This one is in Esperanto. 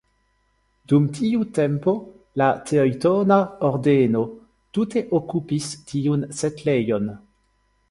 Dum tiu tempo la Teŭtona Ordeno tute okupis tiun setlejon.